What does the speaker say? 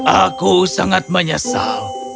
aku sangat menyesal